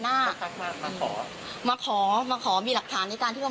เค้ามาให้ไลฟ์ทุกวันทุกวัน